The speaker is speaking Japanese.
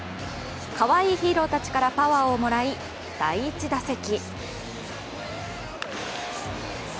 かわいいヒーローたちからパワーをもらい、第１打席。